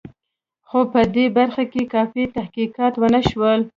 خو په دې برخه کې کافي تحقیقات ونه شول.